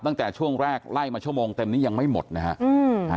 ตั้งแต่ช่วงแรกไล่มาชั่วโมงเต็มนี้ยังไม่หมดนะฮะ